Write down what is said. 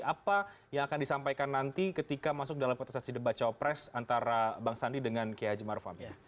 apa yang akan disampaikan nanti ketika masuk dalam potensi the bacao press antara bang sandi dengan kiai haji marufam